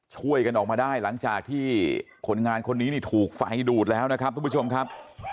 ช่วยกันออกมาได้หลังจากที่คนงานคนนี้นี่ถูกไฟดูดแล้วนะครับทุกผู้ชมครับ